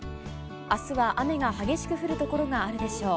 あすは雨が激しく降る所があるでしょう。